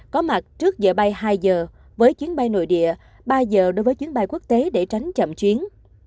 có mặt trước giờ bay hai giờ với chuyến bay nội địa ba giờ đối với chuyến bay quốc tế để tránh chậm chuyến